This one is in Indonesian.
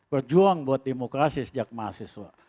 berjuang buat demokrasi sejak mahasiswa